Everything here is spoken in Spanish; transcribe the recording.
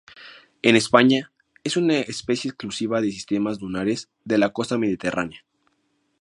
En España, es una especie exclusiva de sistemas dunares de la costa mediterránea.